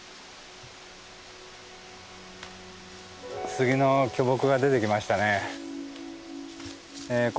杉の巨木が出てきましたね。